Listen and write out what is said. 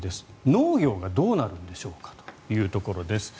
農業がどうなるんでしょうかというところです。